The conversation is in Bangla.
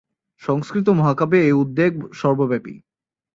সংস্কৃত মহাকাব্যে এই উদ্বেগ সর্বব্যাপী।